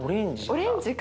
オレンジか。